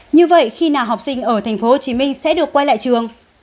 như vậy khi nào học sinh ở tp hcm sẽ được quay lại trường